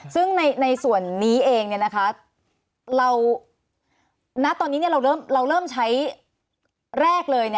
ซึ่งในส่วนนี้เองณตอนนี้เราเริ่มใช้แรกเลย